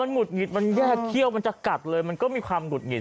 หุดหงิดมันแยกเขี้ยวมันจะกัดเลยมันก็มีความหุดหงิด